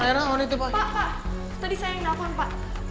pak pak tadi saya yang ngapain pak